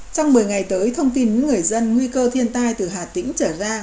trong một mươi ngày tới thông tin người dân nguy cơ thiên tai từ hà tĩnh trở ra